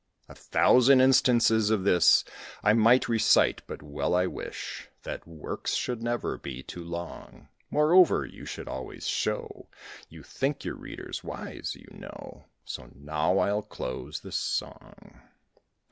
A thousand instances of this I might recite; but well I wish That works should never be too long. Moreover, you should always show You think your readers wise, you know; So now I'll close this song.